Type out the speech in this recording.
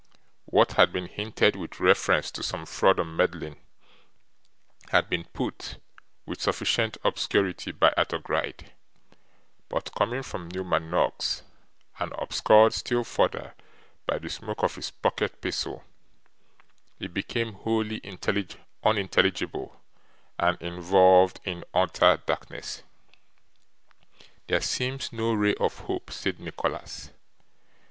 What had been hinted with reference to some fraud on Madeline, had been put, with sufficient obscurity by Arthur Gride, but coming from Newman Noggs, and obscured still further by the smoke of his pocket pistol, it became wholly unintelligible, and involved in utter darkness. 'There seems no ray of hope,' said Nicholas.